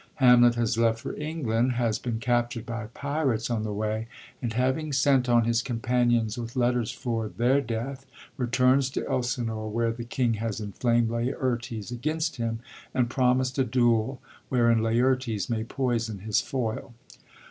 Hamlet has left for England, has been captured by pirates on the way, and having sent on his companions with letters for their death, returns to Elsinore, where the king has inflamed Laertes against him and promist a duel wherein Laertes may poison his foil.